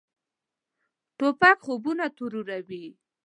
توپک خوبونه تروروي.